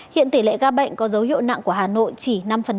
hiện tỷ lệ ca bệnh có dấu hiệu nặng của hà nội chỉ năm